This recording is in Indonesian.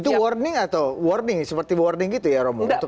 itu warning atau warning seperti warning gitu ya romo